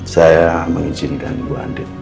saya mengizinkan ibu andin